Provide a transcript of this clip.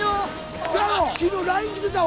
昨日ＬＩＮＥ来てたわ。